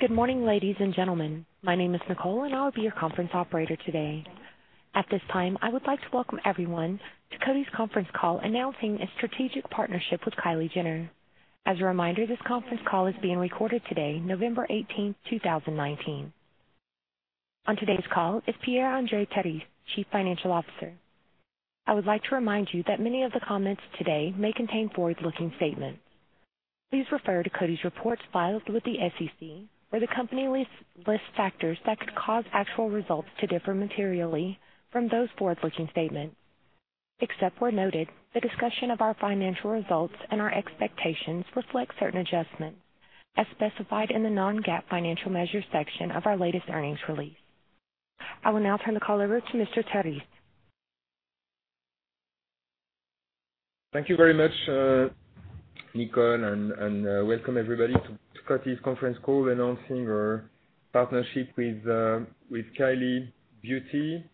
Good morning, ladies and gentlemen. My name is Nicole, and I will be your conference operator today. At this time, I would like to welcome everyone to Coty's conference call announcing a strategic partnership with Kylie Jenner. As a reminder, this conference call is being recorded today, November 18th, 2019. On today's call is Pierre-André Terisse, Chief Financial Officer. I would like to remind you that many of the comments today may contain forward-looking statements. Please refer to Coty's reports filed with the SEC, where the company lists factors that could cause actual results to differ materially from those forward-looking statements. Except where noted, the discussion of our financial results and our expectations reflects certain adjustments, as specified in the non-GAAP financial measures section of our latest earnings release. I will now turn the call over to Mr. Terisse. Thank you very much, Nicole, and welcome everybody to Coty's conference call announcing our partnership with Kylie Beauty.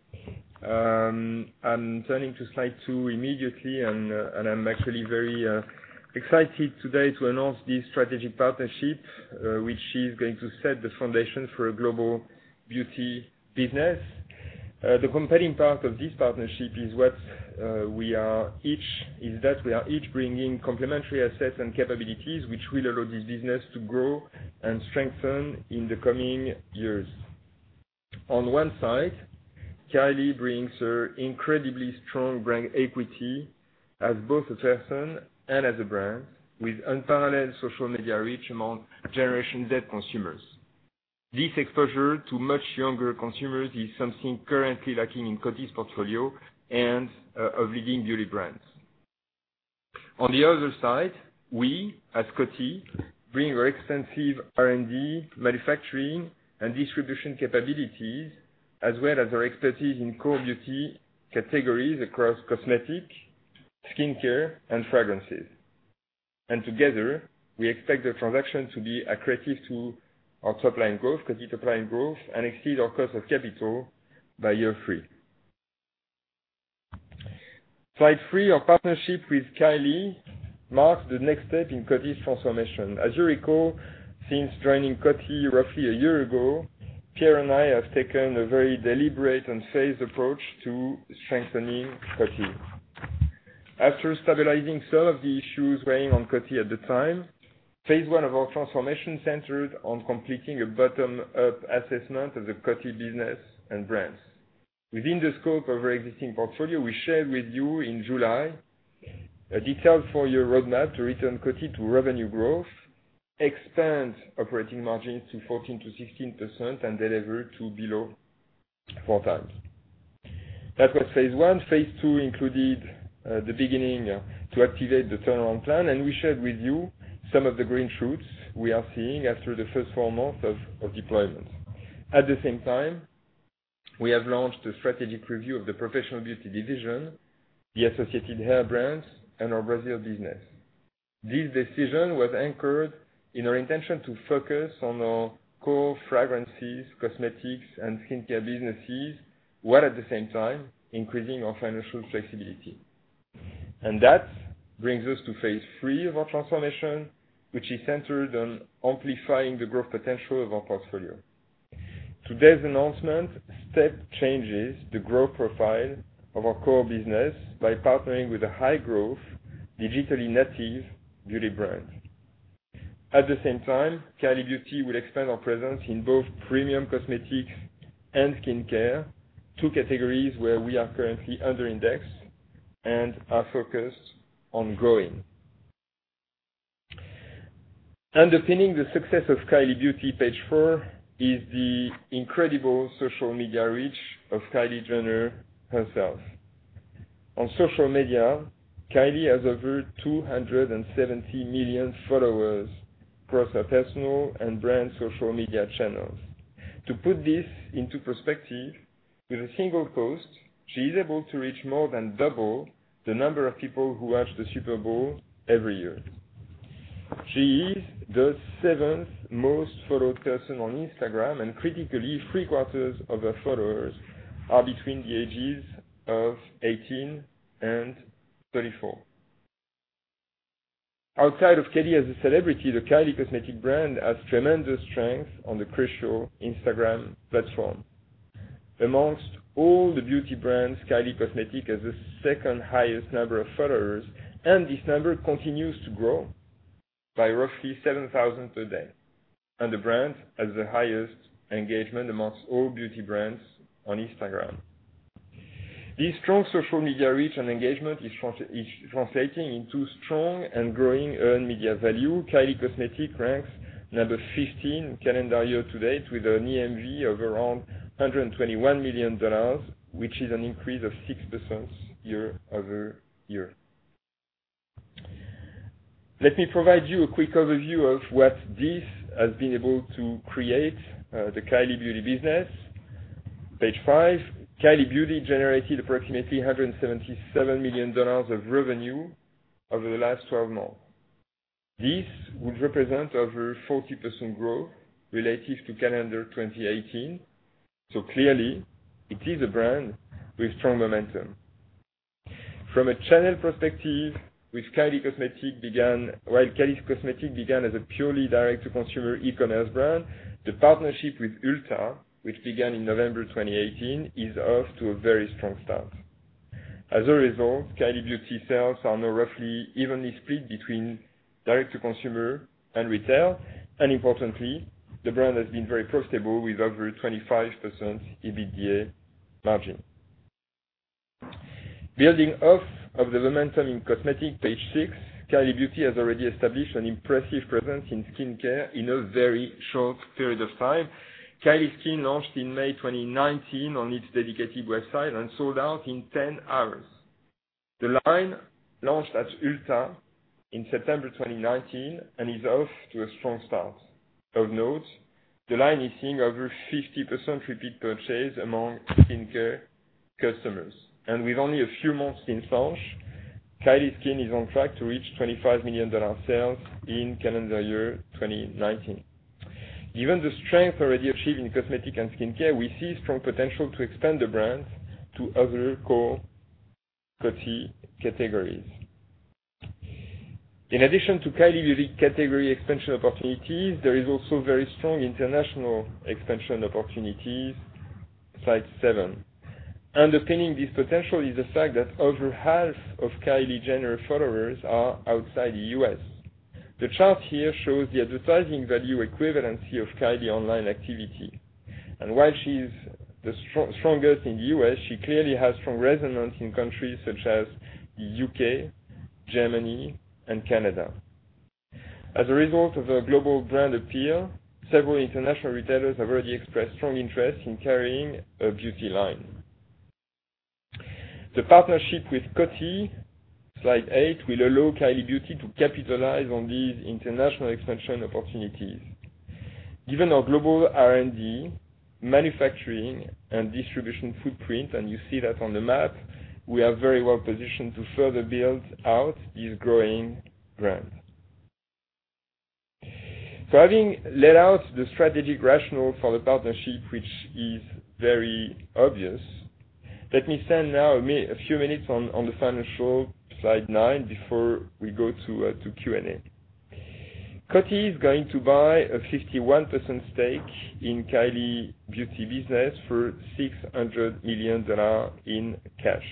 I'm turning to slide two immediately, and I'm actually very excited today to announce this strategic partnership, which is going to set the foundation for a global beauty business. The compelling part of this partnership is that we are each bringing complementary assets and capabilities, which will allow this business to grow and strengthen in the coming years. On one side, Kylie brings her incredibly strong brand equity as both a person and as a brand, with unparalleled social media reach among Generation Z consumers. This exposure to much younger consumers is something currently lacking in Coty's portfolio and of leading beauty brands. On the other side, we, as Coty, bring our extensive R&D, manufacturing, and distribution capabilities, as well as our expertise in core beauty categories across cosmetic, skincare, and fragrances. Together, we expect the transaction to be a creative tool for top-line growth, capital line growth, and exceed our cost of capital by year three. Slide three, our partnership with Kylie marks the next step in Coty's transformation. As you recall, since joining Coty roughly a year ago, Pierre and I have taken a very deliberate and phased approach to strengthening Coty. After stabilizing some of the issues weighing on Coty at the time, phase I of our transformation centered on completing a bottom-up assessment of the Coty business and brands. Within the scope of our existing portfolio, we shared with you in July details for your roadmap to return Coty to revenue growth, expand operating margins to 14%-16%, and deliver to below four times. That was phase I. Phase II included the beginning to activate the turnaround plan, and we shared with you some of the green shoots we are seeing after the first four months of deployment. At the same time, we have launched a strategic review of the professional beauty division, the associated hair brands, and our Brazil business. This decision was anchored in our intention to focus on our core fragrances, cosmetics, and skincare businesses, while at the same time increasing our financial flexibility. That brings us to phase III of our transformation, which is centered on amplifying the growth potential of our portfolio. Today's announcement step changes the growth profile of our core business by partnering with a high-growth, digitally native beauty brand. At the same time, Kylie Beauty will expand our presence in both premium cosmetics and skincare, two categories where we are currently under-indexed and are focused on growing. Underpinning the success of Kylie Beauty, page four, is the incredible social media reach of Kylie Jenner herself. On social media, Kylie has over 270 million followers across her personal and brand social media channels. To put this into perspective, with a single post, she is able to reach more than double the number of people who watch the Super Bowl every year. She is the seventh most followed person on Instagram, and critically, three-quarters of her followers are between the ages of 18 and 34. Outside of Kylie as a celebrity, the Kylie Cosmetics brand has tremendous strength on the crucial Instagram platform. Amongst all the beauty brands, Kylie Cosmetics has the second-highest number of followers, and this number continues to grow by roughly 7,000 per day. The brand has the highest engagement amongst all beauty brands on Instagram. This strong social media reach and engagement is translating into strong and growing earned media value. Kylie Cosmetics ranks number 15 calendar year to date with an EMV of around $121 million, which is an increase of 6% year-over-year. Let me provide you a quick overview of what this has been able to create, the Kylie Beauty business. Page five, Kylie Beauty generated approximately $177 million of revenue over the last 12 months. This would represent over 40% growth relative to calendar 2018. Clearly, it is a brand with strong momentum. From a channel perspective, while Kylie Cosmetics began as a purely direct-to-consumer e-commerce brand, the partnership with Ulta, which began in November 2018, is off to a very strong start. As a result, Kylie Beauty's sales are now roughly evenly split between direct-to-consumer and retail, and importantly, the brand has been very profitable with over 25% EBITDA margin. Building off of the momentum in cosmetic, page six, Kylie Beauty has already established an impressive presence in skincare in a very short period of time. Kylie Skin launched in May 2019 on its dedicated website and sold out in 10 hours. The line launched at Ulta in September 2019 and is off to a strong start. Of note, the line is seeing over 50% repeat purchase among skincare customers. With only a few months since launch, Kylie Skin is on track to reach $25 million sales in calendar year 2019. Given the strength already achieved in cosmetic and skincare, we see strong potential to expand the brand to other core Coty categories. In addition to Kylie Beauty category expansion opportunities, there is also very strong international expansion opportunities. Slide seven. Underpinning this potential is the fact that over half of Kylie Jenner followers are outside the U.S. The chart here shows the advertising value equivalency of Kylie online activity. While she is the strongest in the U.S., she clearly has strong resonance in countries such as the U.K., Germany, and Canada. As a result of her global brand appeal, several international retailers have already expressed strong interest in carrying a beauty line. The partnership with Coty, slide eight, will allow Kylie Beauty to capitalize on these international expansion opportunities. Given our global R&D, manufacturing, and distribution footprint, and you see that on the map, we are very well positioned to further build out this growing brand. Having laid out the strategic rationale for the partnership, which is very obvious, let me spend now a few minutes on the financial slide nine before we go to Q&A. Coty is going to buy a 51% stake in Kylie Beauty business for $600 million in cash.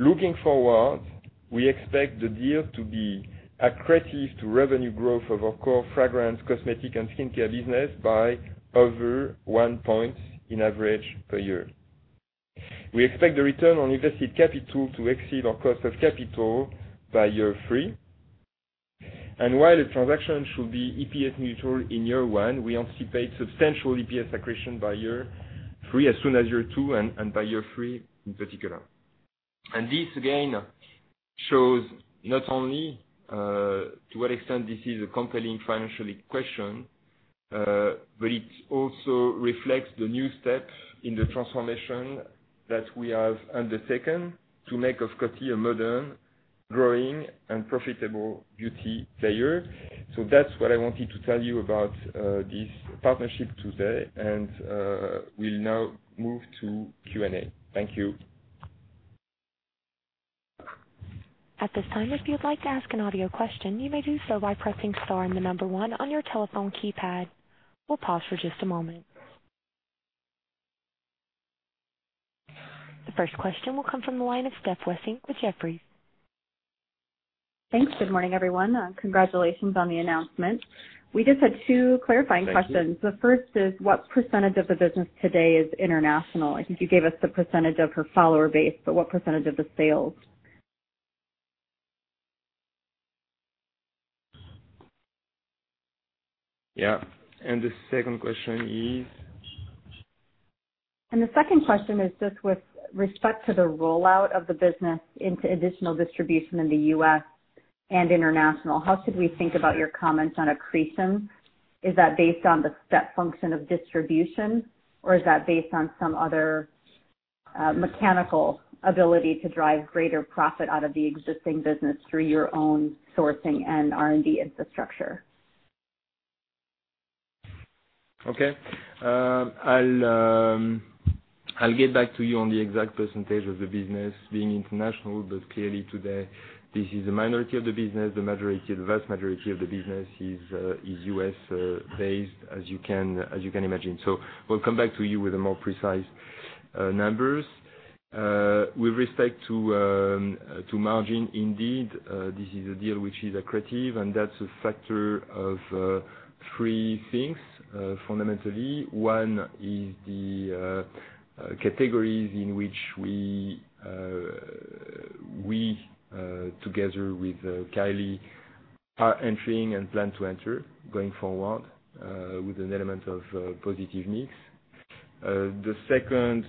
Looking forward, we expect the deal to be accretive to revenue growth of our core fragrance, cosmetic, and skincare business by over one point in average per year. We expect the return on invested capital to exceed our cost of capital by year three. While the transaction should be EPS neutral in year one, we anticipate substantial EPS accretion by year three as soon as year two and by year three in particular. This, again, shows not only to what extent this is a compelling financial question, but it also reflects the new step in the transformation that we have undertaken to make Coty a modern, growing, and profitable beauty player. That is what I wanted to tell you about this partnership today, and we will now move to Q&A. Thank you. At this time, if you'd like to ask an audio question, you may do so by pressing star and the number one on your telephone keypad. We'll pause for just a moment. The first question will come from the line of Steph Wissink with Jefferies. Thanks. Good morning, everyone. Congratulations on the announcement. We just had two clarifying questions. The first is, what percentage of the business today is international? I think you gave us the percentage of her follower base, but what percentage of the sales? Yeah. The second question is? The second question is just with respect to the rollout of the business into additional distribution in the U.S. and international, how should we think about your comments on accretion? Is that based on the step function of distribution, or is that based on some other mechanical ability to drive greater profit out of the existing business through your own sourcing and R&D infrastructure? Okay. I'll get back to you on the exact percentage of the business being international, but clearly today, this is the minority of the business. The vast majority of the business is U.S.-based, as you can imagine. We'll come back to you with more precise numbers. With respect to margin, indeed, this is a deal which is accretive, and that's a factor of three things, fundamentally. One is the categories in which we, together with Kylie, are entering and plan to enter going forward with an element of positive mix. The second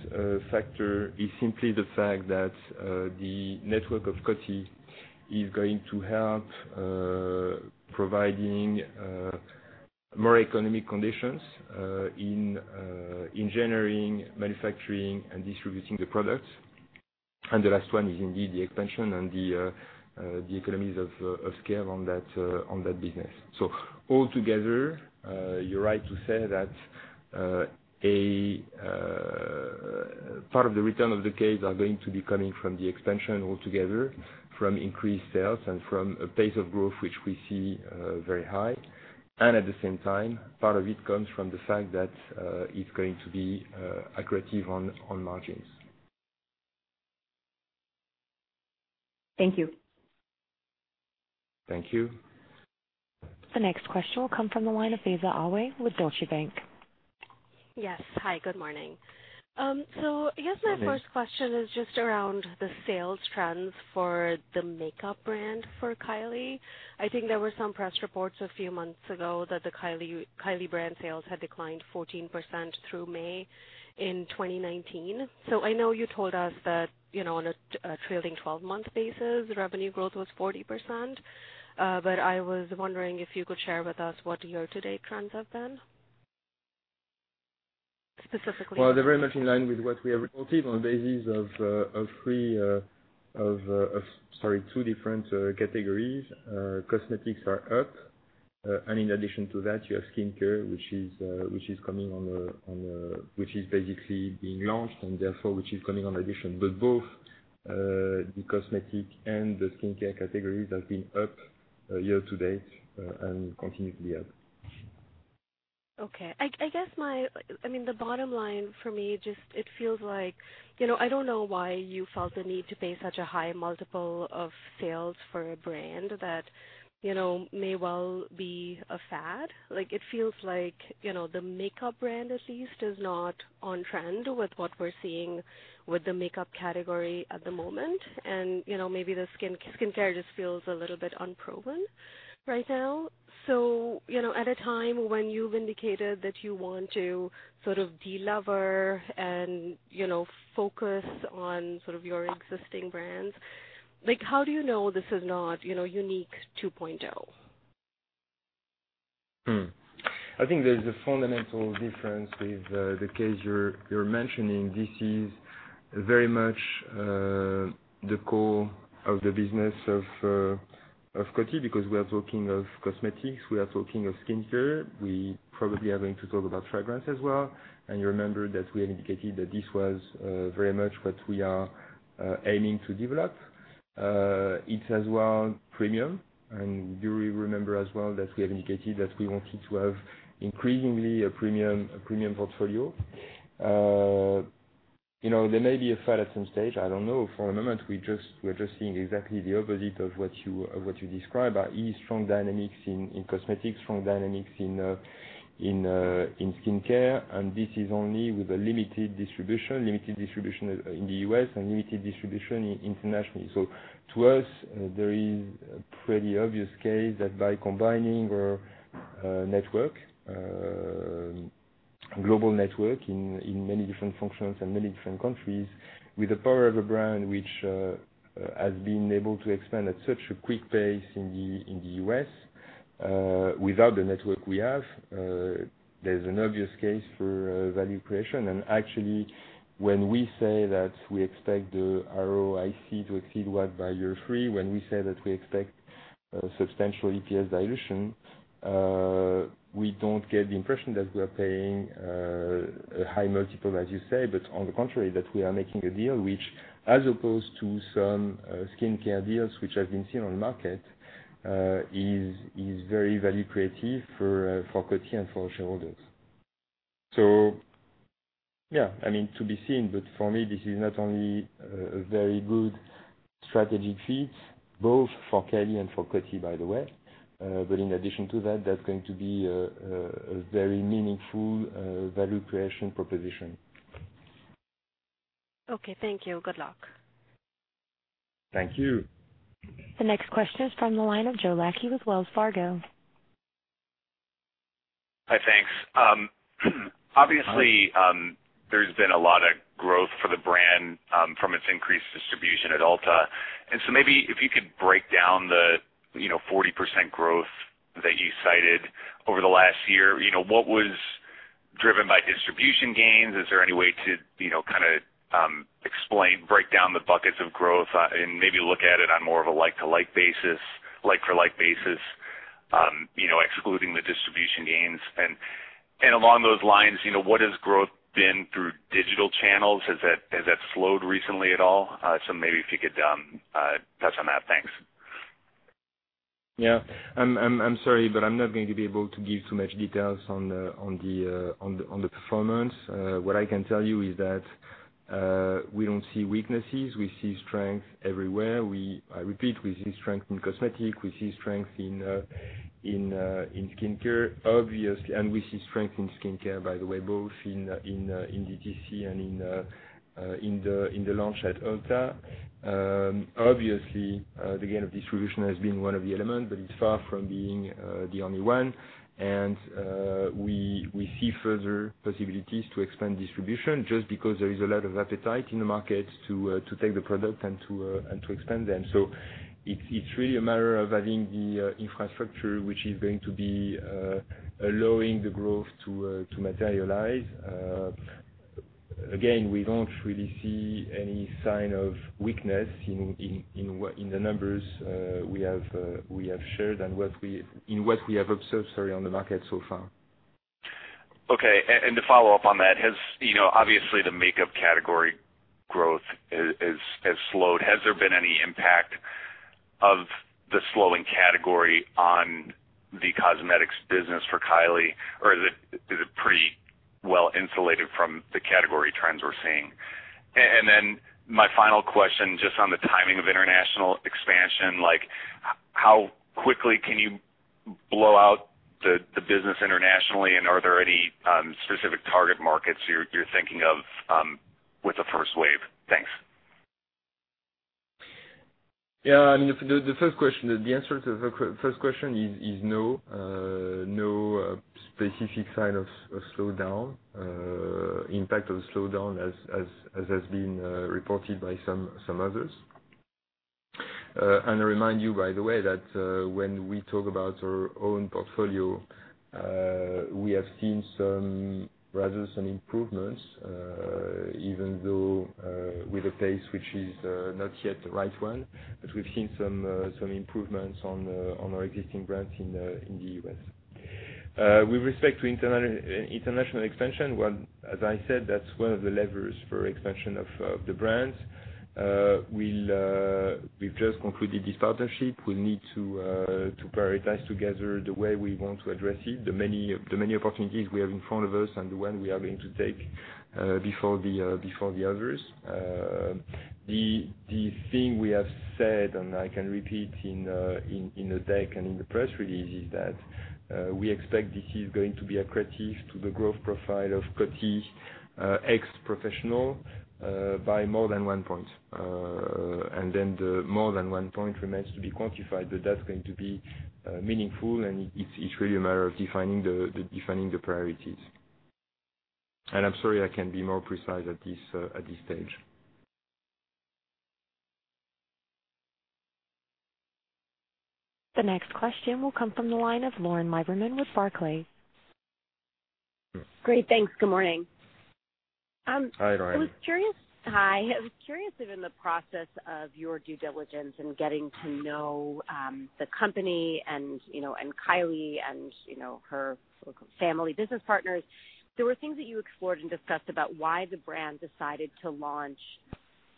factor is simply the fact that the network of Coty is going to help providing more economic conditions in generating, manufacturing, and distributing the products. The last one is indeed the expansion and the economies of scale on that business. Altogether, you're right to say that part of the return of the case is going to be coming from the expansion altogether, from increased sales and from a pace of growth which we see very high. At the same time, part of it comes from the fact that it's going to be accretive on margins. Thank you. Thank you. The next question will come from the line of Faiza Alwy with Deutsche Bank. Yes. Hi, good morning. I guess my first question is just around the sales trends for the makeup brand for Kylie. I think there were some press reports a few months ago that the Kylie brand sales had declined 14% through May in 2019. I know you told us that on a trailing 12-month basis, revenue growth was 40%, but I was wondering if you could share with us what year-to-date trends have been, specifically. They are very much in line with what we have reported on the basis of two different categories. Cosmetics are up, and in addition to that, you have skincare, which is basically being launched, and therefore, which is coming on addition. Both the cosmetic and the skincare categories have been up year-to-date and continue to be up. Okay. I guess my—I mean, the bottom line for me, just it feels like I don't know why you felt the need to pay such a high multiple of sales for a brand that may well be a fad. It feels like the makeup brand, at least, is not on trend with what we're seeing with the makeup category at the moment, and maybe the skincare just feels a little bit unproven right now. At a time when you've indicated that you want to sort of deliver and focus on sort of your existing brands, how do you know this is not unique 2.0? I think there's a fundamental difference with the case you're mentioning. This is very much the core of the business of Coty because we are talking of cosmetics, we are talking of skincare, we probably are going to talk about fragrance as well. You remember that we have indicated that this was very much what we are aiming to develop. It's as well premium, and you remember as well that we have indicated that we wanted to have increasingly a premium portfolio. There may be a fad at some stage. I don't know. For the moment, we're just seeing exactly the opposite of what you describe, i.e., strong dynamics in cosmetics, strong dynamics in skincare, and this is only with a limited distribution, limited distribution in the U.S. and limited distribution internationally. To us, there is a pretty obvious case that by combining our network, global network in many different functions and many different countries, with the power of a brand which has been able to expand at such a quick pace in the U.S., without the network we have, there's an obvious case for value creation. Actually, when we say that we expect the ROIC to exceed what by year three, when we say that we expect substantial EPS dilution, we don't get the impression that we are paying a high multiple, as you say, but on the contrary, that we are making a deal which, as opposed to some skincare deals which have been seen on the market, is very value creative for Coty and for our shareholders. Yeah, I mean, to be seen, but for me, this is not only a very good strategic fit, both for Kylie and for Coty, by the way, but in addition to that, that's going to be a very meaningful value creation proposition. Okay. Thank you. Good luck. Thank you. The next question is from the line of Joe Lachky with Wells Fargo. Hi, thanks. Obviously, there's been a lot of growth for the brand from its increased distribution at Ulta. If you could break down the 40% growth that you cited over the last year, what was driven by distribution gains? Is there any way to kind of explain, break down the buckets of growth and maybe look at it on more of a like-for-like basis, excluding the distribution gains? Along those lines, what has growth been through digital channels? Has that slowed recently at all? If you could touch on that. Thanks. Yeah. I'm sorry, but I'm not going to be able to give too much details on the performance. What I can tell you is that we don't see weaknesses. We see strength everywhere. I repeat, we see strength in cosmetic. We see strength in skincare, obviously, and we see strength in skincare, by the way, both in DTC and in the launch at Ulta. Obviously, the gain of distribution has been one of the elements, but it's far from being the only one. We see further possibilities to expand distribution just because there is a lot of appetite in the markets to take the product and to expand them. It is really a matter of having the infrastructure which is going to be allowing the growth to materialize. Again, we do not really see any sign of weakness in the numbers we have shared and in what we have observed, sorry, on the market so far. Okay. To follow-up on that, obviously, the makeup category growth has slowed. Has there been any impact of the slowing category on the cosmetics business for Kylie, or is it pretty well insulated from the category trends we're seeing? My final question, just on the timing of international expansion, how quickly can you blow out the business internationally, and are there any specific target markets you're thinking of with the first wave? Thanks. Yeah. I mean, the answer to the first question is no, no specific sign of slowdown, impact of slowdown as has been reported by some others. I remind you, by the way, that when we talk about our own portfolio, we have seen rather some improvements, even though with a pace which is not yet the right one, but we've seen some improvements on our existing brands in the U.S. With respect to international expansion, as I said, that's one of the levers for expansion of the brands. We've just concluded this partnership. We'll need to prioritize together the way we want to address it, the many opportunities we have in front of us and the one we are going to take before the others. The thing we have said, and I can repeat in the tech and in the press release, is that we expect this is going to be accretive to the growth profile of Coty ex-professional by more than one point. The more than one point remains to be quantified, but that's going to be meaningful, and it's really a matter of defining the priorities. I'm sorry, I can't be more precise at this stage. The next question will come from the line of Lauren Lieberman with Barclays. Great. Thanks. Good morning. Hi, Lauren. I was curious—hi. I was curious if in the process of your due diligence and getting to know the company and Kylie and her family business partners, there were things that you explored and discussed about why the brand decided to launch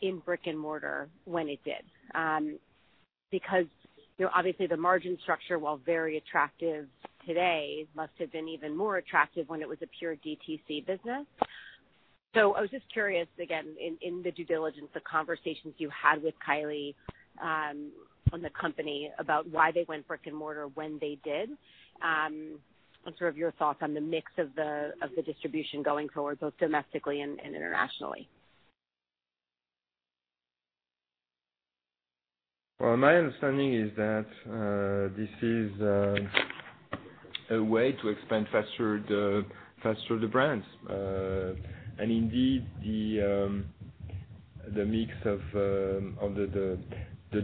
in brick-and-mortar when it did. Because obviously, the margin structure, while very attractive today, must have been even more attractive when it was a pure DTC business. I was just curious, again, in the due diligence, the conversations you had with Kylie on the company about why they went brick-and-mortar when they did, and sort of your thoughts on the mix of the distribution going forward, both domestically and internationally. My understanding is that this is a way to expand faster the brands. Indeed, the mix of the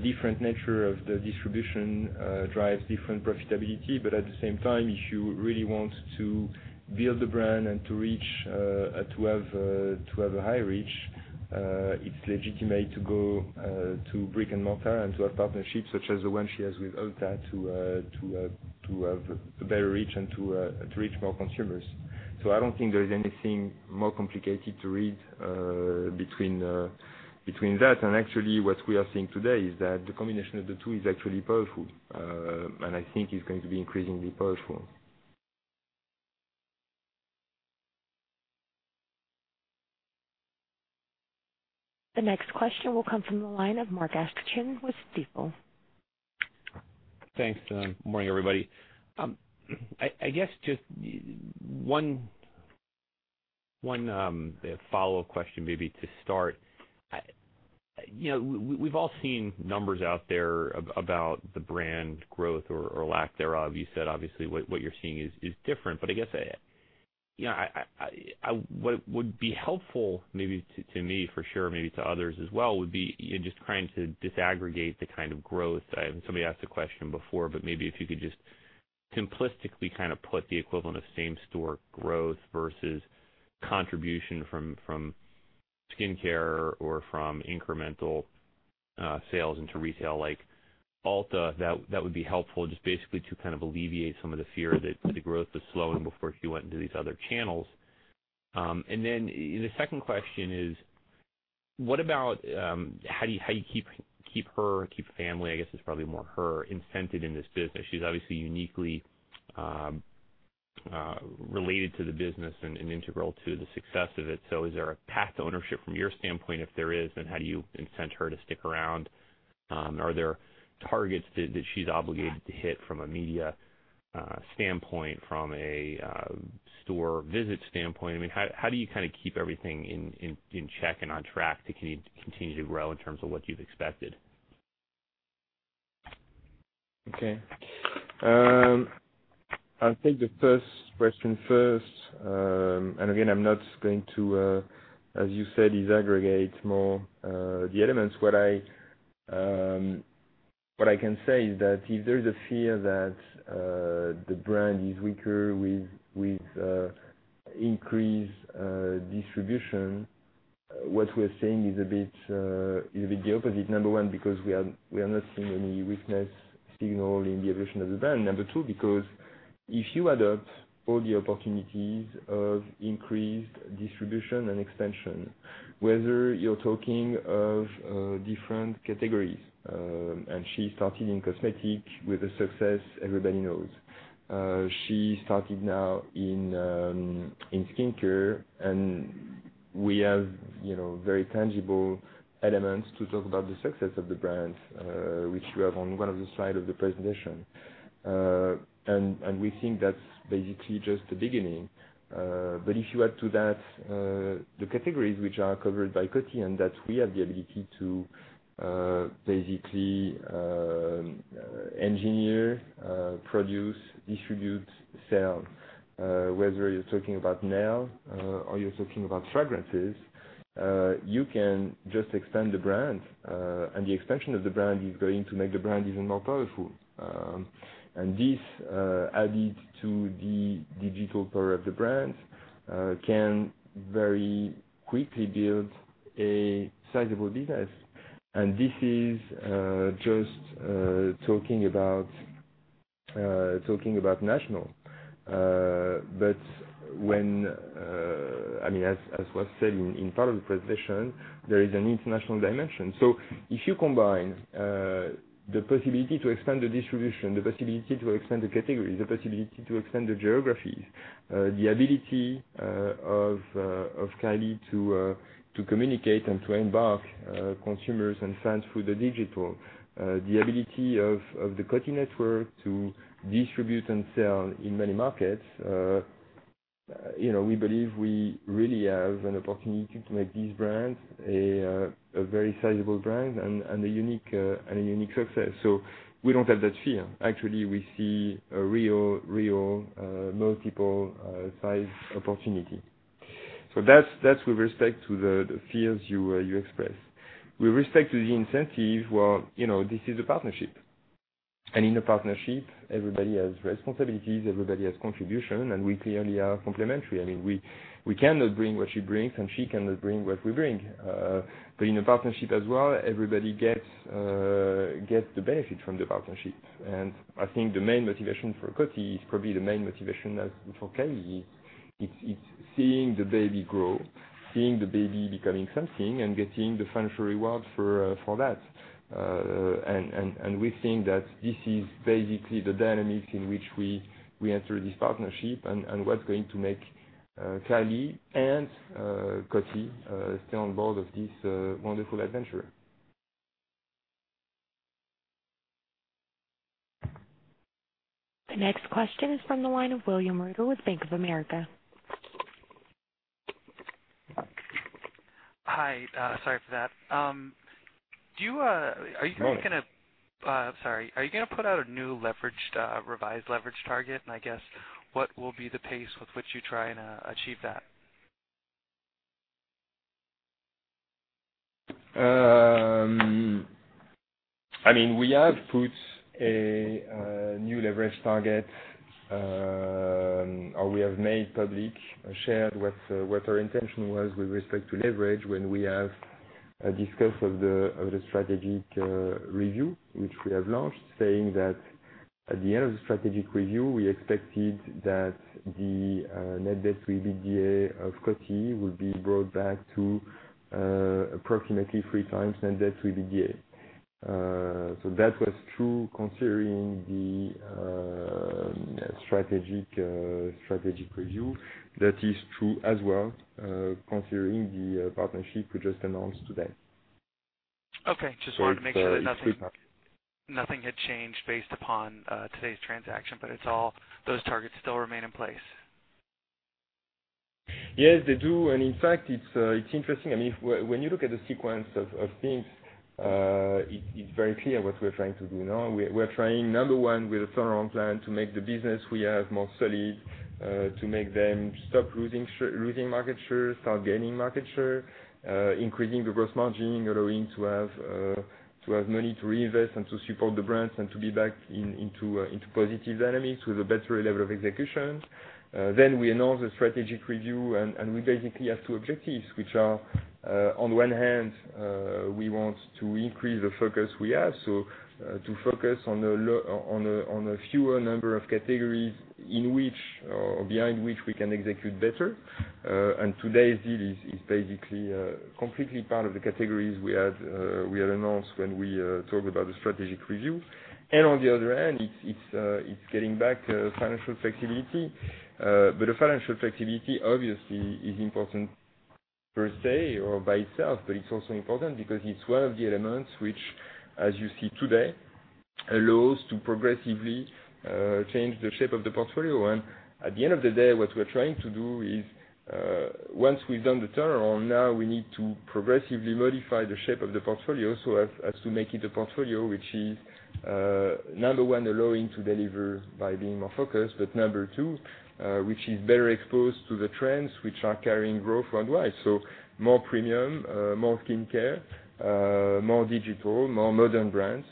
different nature of the distribution drives different profitability. At the same time, if you really want to build the brand and to have a high reach, it's legitimate to go to brick-and-mortar and to have partnerships such as the one she has with Ulta to have a better reach and to reach more consumers. I don't think there is anything more complicated to read between that. Actually, what we are seeing today is that the combination of the two is actually powerful, and I think it's going to be increasingly powerful. The next question will come from the line of Mark Astrachan with Stifel. Thanks. Morning, everybody. I guess just one follow-up question maybe to start. We've all seen numbers out there about the brand growth or lack thereof. You said, obviously, what you're seeing is different. I guess what would be helpful maybe to me for sure, maybe to others as well, would be just trying to disaggregate the kind of growth. Somebody asked the question before, but maybe if you could just simplistically kind of put the equivalent of same-store growth versus contribution from skincare or from incremental sales into retail like Ulta, that would be helpful just basically to kind of alleviate some of the fear that the growth was slowing before she went into these other channels. The second question is, how do you keep her, keep family, I guess it's probably more her, incented in this business? She's obviously uniquely related to the business and integral to the success of it. Is there a path to ownership from your standpoint? If there is, then how do you incent her to stick around? Are there targets that she's obligated to hit from a media standpoint, from a store visit standpoint? I mean, how do you kind of keep everything in check and on track to continue to grow in terms of what you've expected? Okay. I'll take the first question first. Again, I'm not going to, as you said, disaggregate more the elements. What I can say is that if there is a fear that the brand is weaker with increased distribution, what we're seeing is a bit the opposite. Number one, because we are not seeing any weakness signal in the evolution of the brand. Number two, because if you adopt all the opportunities of increased distribution and expansion, whether you're talking of different categories—and she started in cosmetic with a success everybody knows—she started now in skincare, and we have very tangible elements to talk about the success of the brand, which you have on one of the slides of the presentation. We think that's basically just the beginning. If you add to that the categories which are covered by Coty and that we have the ability to basically engineer, produce, distribute, sell, whether you're talking about nail or you're talking about fragrances, you can just expand the brand. The expansion of the brand is going to make the brand even more powerful. This, added to the digital power of the brand, can very quickly build a sizable business. This is just talking about national. I mean, as was said in part of the presentation, there is an international dimension. If you combine the possibility to expand the distribution, the possibility to expand the categories, the possibility to expand the geographies, the ability of Kylie to communicate and to embark consumers and fans through the digital, the ability of the Coty network to distribute and sell in many markets, we believe we really have an opportunity to make this brand a very sizable brand and a unique success. We do not have that fear. Actually, we see a real, real, multiple-sized opportunity. That is with respect to the fears you express. With respect to the incentive, this is a partnership. In a partnership, everybody has responsibilities, everybody has contributions, and we clearly are complementary. I mean, we cannot bring what she brings, and she cannot bring what we bring. In a partnership as well, everybody gets the benefit from the partnership. I think the main motivation for Coty is probably the main motivation for Kylie. It's seeing the baby grow, seeing the baby becoming something, and getting the financial reward for that. We think that this is basically the dynamics in which we enter this partnership and what's going to make Kylie and Coty stay on board of this wonderful adventure. The next question is from the line of William Mango with Bank of America. Hi. Sorry for that. Are you going to? Morning. Sorry. Are you going to put out a new revised leverage target? I guess, what will be the pace with which you try and achieve that? I mean, we have put a new leverage target, or we have made public, shared what our intention was with respect to leverage when we have discussed the strategic review, which we have launched, saying that at the end of the strategic review, we expected that the net debt to EBITDA of Coty will be brought back to approximately three times net debt to EBITDA. That was true considering the strategic review. That is true as well, considering the partnership we just announced today. Okay. Just wanted to make sure that nothing had changed based upon today's transaction, but those targets still remain in place. Yes, they do. In fact, it's interesting. I mean, when you look at the sequence of things, it's very clear what we're trying to do now. We're trying, number one, with a turnaround plan to make the business we have more solid, to make them stop losing market share, start gaining market share, increasing the gross margin, allowing to have money to reinvest and to support the brands and to be back into positive dynamics with a better level of execution. We announce the strategic review, and we basically have two objectives, which are, on the one hand, we want to increase the focus we have, so to focus on a fewer number of categories behind which we can execute better. Today's deal is basically completely part of the categories we had announced when we talked about the strategic review. On the other hand, it's getting back financial flexibility. The financial flexibility, obviously, is important per se or by itself, but it's also important because it's one of the elements which, as you see today, allows to progressively change the shape of the portfolio. At the end of the day, what we're trying to do is, once we've done the turnaround, now we need to progressively modify the shape of the portfolio so as to make it a portfolio which is, number one, allowing to deliver by being more focused, but number two, which is better exposed to the trends which are carrying growth worldwide. More premium, more skincare, more digital, more modern brands.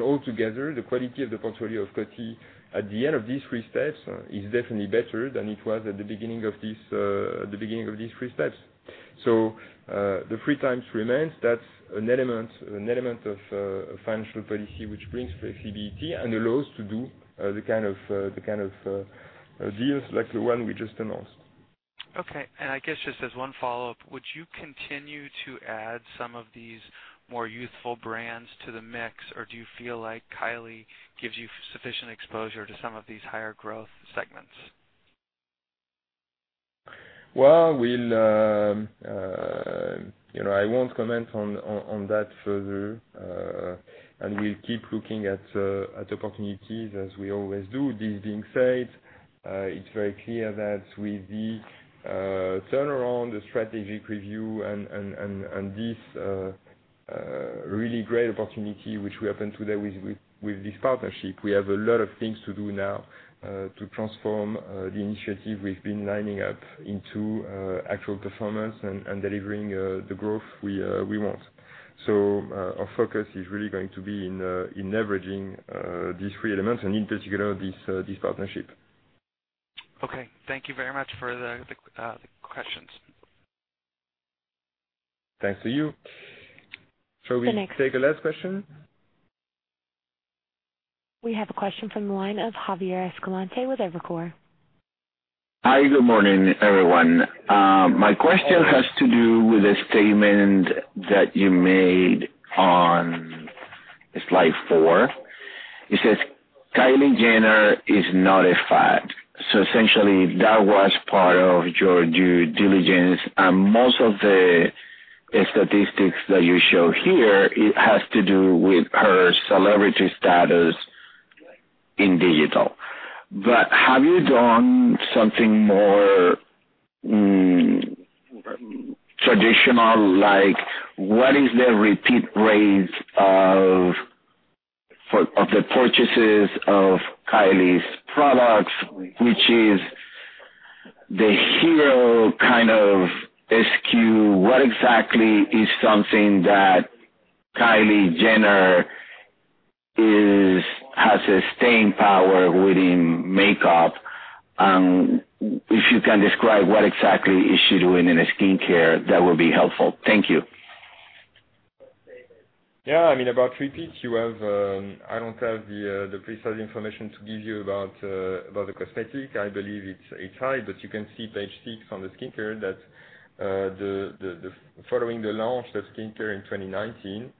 Altogether, the quality of the portfolio of Coty at the end of these three steps is definitely better than it was at the beginning of these three steps. The three times remains. That's an element of financial policy which brings flexibility and allows to do the kind of deals like the one we just announced. Okay. I guess just as one follow-up, would you continue to add some of these more youthful brands to the mix, or do you feel like Kylie gives you sufficient exposure to some of these higher growth segments? I won't comment on that further. We keep looking at opportunities as we always do. This being said, it's very clear that with the turnaround, the strategic review, and this really great opportunity which we opened today with this partnership, we have a lot of things to do now to transform the initiative we've been lining up into actual performance and delivering the growth we want. Our focus is really going to be in leveraging these three elements and, in particular, this partnership. Okay. Thank you very much for the questions. Thanks to you. The next. Shall we take a last question? We have a question from the line of Javier Escalante with Evercore. Hi. Good morning, everyone. My question has to do with a statement that you made on slide four. You said, "Kylie Jenner is not a fad." Essentially, that was part of your due diligence. Most of the statistics that you show here, it has to do with her celebrity status in digital. Have you done something more traditional, like what is the repeat rate of the purchases of Kylie's products, which is the hero kind of SQ? What exactly is something that Kylie Jenner has sustained power within makeup? If you can describe what exactly is she doing in skincare, that would be helpful. Thank you. Yeah. I mean, about repeat, I don't have the precise information to give you about the cosmetic. I believe it's high, but you can see page six on the skincare that following the launch of skincare in 2019,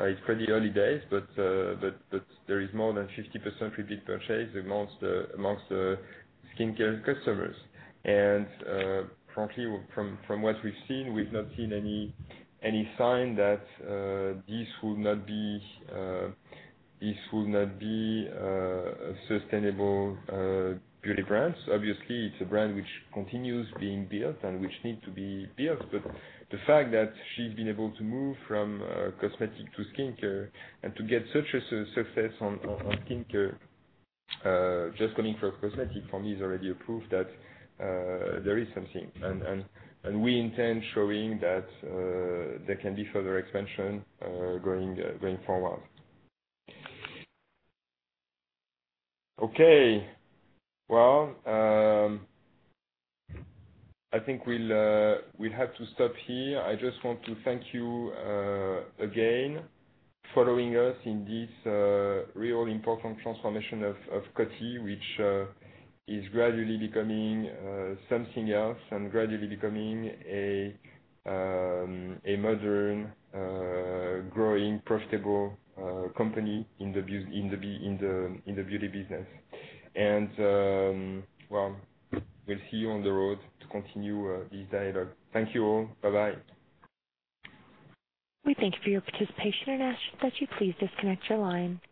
it's pretty early days, but there is more than 50% repeat purchase amongst the skincare customers. Frankly, from what we've seen, we've not seen any sign that this will not be a sustainable beauty brand. Obviously, it's a brand which continues being built and which needs to be built. The fact that she's been able to move from cosmetic to skincare and to get such a success on skincare, just coming from cosmetic, for me, is already a proof that there is something. We intend showing that there can be further expansion going forward. Okay. I think we'll have to stop here. I just want to thank you again for following us in this real important transformation of Coty, which is gradually becoming something else and gradually becoming a modern, growing, profitable company in the beauty business. We will see you on the road to continue this dialogue. Thank you all. Bye-bye. We thank you for your participation and ask that you please disconnect your line.